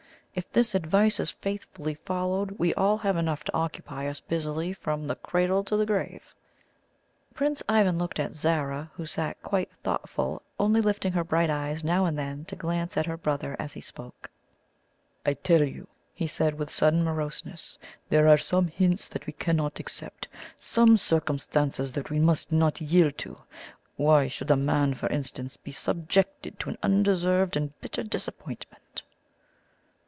If this advice is faithfully followed, we all have enough to occupy us busily from the cradle to the grave." Prince Ivan looked at Zara, who sat quietly thoughtful, only lifting her bright eyes now and then to glance at her brother as he spoke. "I tell you," he said, with sudden moroseness, "there are some hints that we cannot accept some circumstances that we must not yield to. Why should a man, for instance, be subjected to an undeserved and bitter disappointment?"